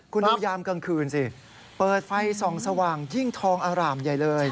คุณดูยามกลางคืนสิเปิดไฟส่องสว่างยิ่งทองอร่ามใหญ่เลย